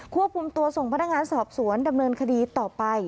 ควบคุมตัวส่งพนักงานสอบสวนดำเนินคดีต่อไป